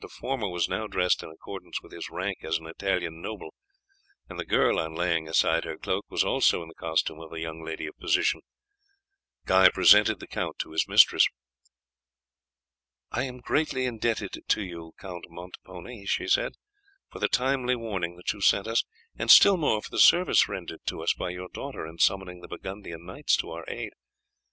The former was now dressed in accordance with his rank as an Italian noble, and the girl, on laying aside her cloak, was also in the costume of a young lady of position. Guy presented the count to his mistress. "I am greatly indebted to you, Count Montepone," she said, "for the timely warning that you sent us, and still more for the service rendered to us by your daughter in summoning the Burgundian knights to our aid.